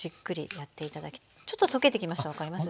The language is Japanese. ちょっと溶けてきました分かります？